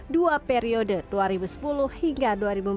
dua periode dua ribu sepuluh hingga dua ribu empat belas